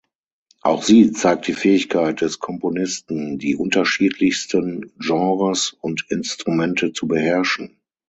Auch sie zeigt die Fähigkeit des Komponisten, die unterschiedlichsten Genres und Instrumente zu beherrschen.